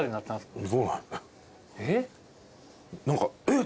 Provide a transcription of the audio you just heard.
えっ？